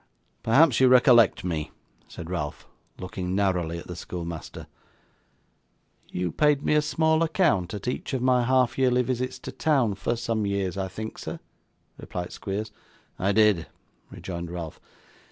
'Perhaps you recollect me?' said Ralph, looking narrowly at the schoolmaster. 'You paid me a small account at each of my half yearly visits to town, for some years, I think, sir,' replied Squeers. 'I did,' rejoined Ralph.